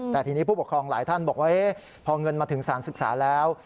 แต่ทีนี้ผู้ปกครองหลายท่านบอกว่าพอเงินมาถึงสารศึกษาแล้ว